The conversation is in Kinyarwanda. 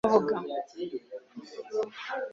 Kapiteni yarebye akanya acecetse. Hanyuma aravuga.